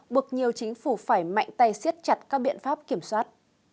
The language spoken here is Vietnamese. buộc nhiều chính phủ phải mạnh tay siết chặt các biện pháp kiểm soát